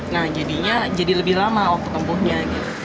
nah jadinya jadi lebih lama waktu tempuhnya